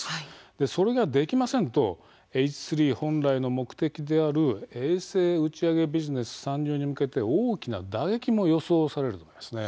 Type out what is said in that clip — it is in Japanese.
それができませんとＨ３本来の目的である衛星打ち上げビジネス参入に向けて大きな打撃も予想さるんですね。